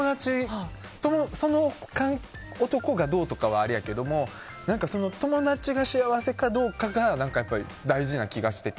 その男がどうとかはあれやけど友達が幸せかどうかが大事な気がしてて。